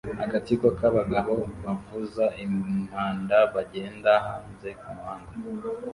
Agatsiko k'abagabo bavuza impanda bagenda hanze kumuhanda